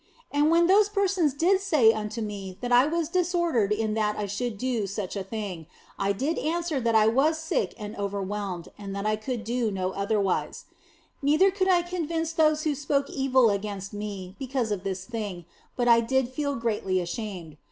And when those persons did say unto me that I was disordered in that I should do such a thing, I did answer that I was sick and overwhelmed, and that I could not do otherwise. Neither could I convince those who spoke evil against me because of this thing, but I did feel greatly ashamed.